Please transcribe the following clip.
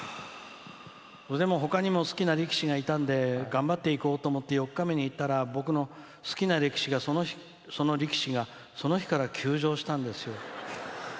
でも、ほかにも好きな力士がいたんで頑張っていこうと思って４日目になって僕の好きな力士がその日から休場したんですよ。